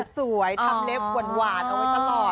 สวยทำเล็บหวานเอาไว้ตลอด